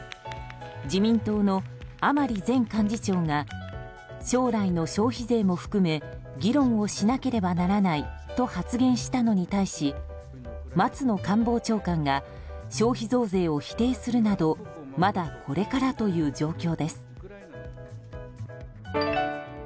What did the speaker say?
自民党の甘利前幹事長が将来の消費税も含め議論をしなければならないと発言したのに対し松野官房長官が消費増税を否定するなどまだこれからという状況です。